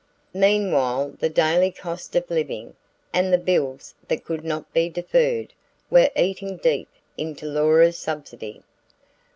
Meanwhile the daily cost of living, and the bills that could not be deferred, were eating deep into Laura's subsidy.